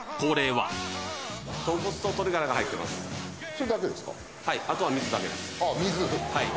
はい。